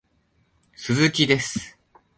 鈴木です